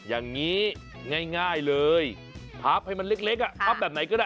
อย่างนี้ง่ายเลยพับให้มันเล็กพับแบบไหนก็ได้